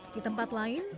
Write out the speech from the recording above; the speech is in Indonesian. di tempat lain